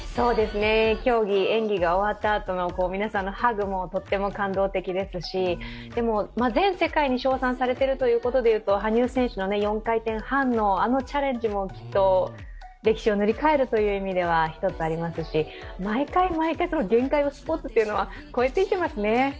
競技、演技が終わったあとの皆さんのハグもとっても感動的ですし、全世界に称賛されているということでいうと羽生選手の４回転半のチャレンジもきっと歴史を塗り替えるという意味では１つありますし、毎回、スポーツの限界は超えていってますね。